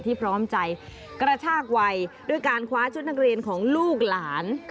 พร้อมใจกระชากวัยด้วยการคว้าชุดนักเรียนของลูกหลาน